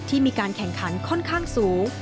มีการแข่งขันค่อนข้างสูง